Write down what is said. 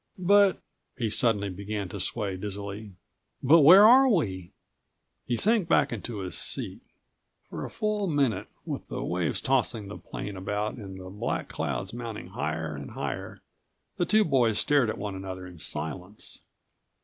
"But"—he suddenly began to sway dizzily—"but where are we?" He sank back into his seat. For a full moment, with the waves tossing the plane about and the black clouds mounting higher and higher, the two boys stared at one another in silence.